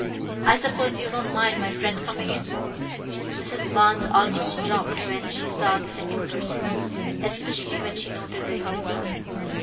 "I suppose you don't mind my friend coming in." Mrs. Barnes almost dropped when she saw the second person, especially when she noted the uniform.